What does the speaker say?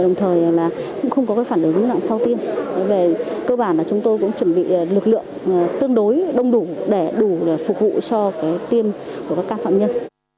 trước thời này là cũng không có cái phản ứng nào sau tiêm về cơ bản là chúng tôi cũng chuẩn bị lực lượng tương đối đông đủ để đủ để phục vụ cho cái tiêm của các can phạm nhân